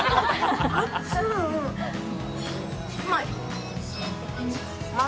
うまい。